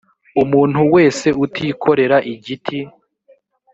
umuntu wese utikorera igiti